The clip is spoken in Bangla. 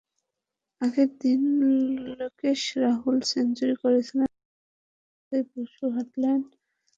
আগের দিন লোকেশ রাহুল সেঞ্চুরি করেছিলেন, তাঁর দেখানো পথেই পরশু হাঁটলেন রাহানে।